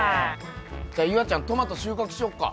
じゃあ夕空ちゃんトマト収穫しよっか。